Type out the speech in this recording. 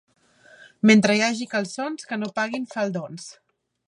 Mentre hi hagi calçons, que no paguin faldons.